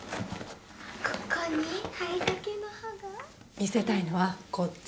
見せたいのはこっち。